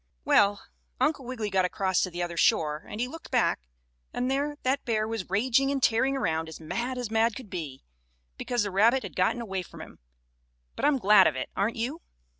Well, Uncle Wiggily got across to the other shore, and he looked back and there that bear was raging and tearing around as mad as mad could be, because the rabbit had gotten away from him. But I'm glad of it; aren't you?